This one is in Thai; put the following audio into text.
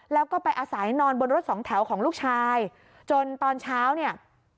แล้วก็ไปอาศัยนอนบนรถสองแถวของลูกชายจนตอนเช้าเนี่ย